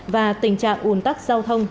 và tình trạng ùn tắc giao thông